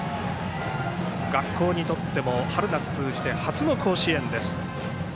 学校にとっても春夏通じて初の甲子園です。